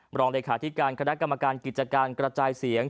บรองเลขาสตร์ธิการกรมการกิจการกระจายเสียง